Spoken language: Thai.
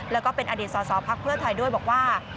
แล้วก็เป็นอดีตสอสอภักดิ์เพื่อไทยด้วยบอกว่า